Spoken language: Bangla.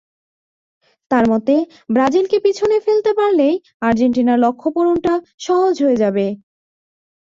তাঁর মতে, ব্রাজিলকে পেছনে ফেলতে পারলেই আর্জেন্টিনার লক্ষ্যপূরণটা সহজ হয়ে যাবে।